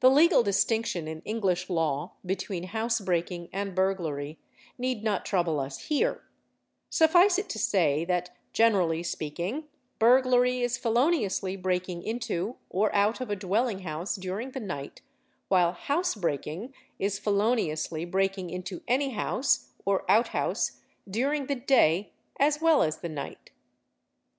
The legal distinction in English law between housebreaking and burglary need not trouble us here; suffice it to say that, generally speaking, burglary is feloniously breaking into or out of a dwelling house during the night while housebreaking is feloniously breaking into any house or out house during the day as well as the night.